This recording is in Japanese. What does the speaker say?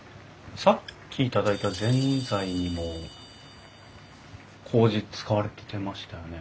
さっき頂いたぜんざいにもこうじ使われてましたよね？